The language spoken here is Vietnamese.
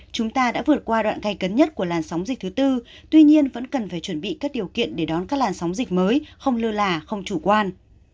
chúng ta đã vượt qua đoạn thay cấn nhất của làn sóng dịch thứ tư tuy nhiên vẫn cần phải chuẩn bị các điều kiện để đón các làn sóng dịch mới không lơ là không chủ quan